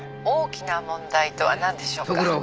「大きな問題とはなんでしょうか？」